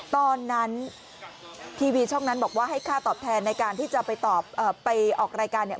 ตอนนั้นทีวีช่องนั้นบอกว่าให้ค่าตอบแทนในการที่จะไปตอบไปออกรายการเนี่ย